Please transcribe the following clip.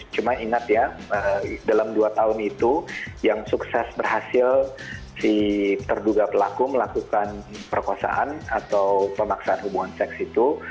cuma ingat ya dalam dua tahun itu yang sukses berhasil si terduga pelaku melakukan perkosaan atau pemaksaan hubungan seks itu